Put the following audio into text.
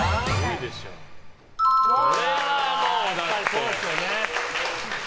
そうですよね。